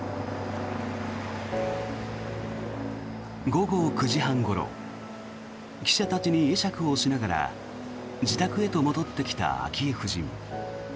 午後９時半ごろ記者たちに会釈をしながら自宅へと戻ってきた昭恵夫人。